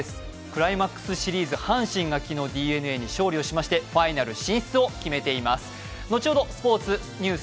クライマックスシリーズ、阪神が昨日、ＤｅＮＡに勝利しましてファイナル進出を決めています。